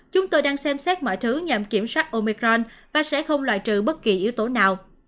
chúng tôi đang xem xét mọi thứ nhằm kiểm soát omicron và sẽ không loại trừ bất kỳ yếu tố nào